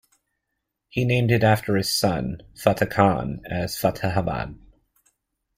He named it after his son Fateh Khan, as Fatehabad.